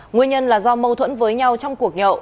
nguyên nhân là do mâu thuẫn với nhau trong cuộc nhậu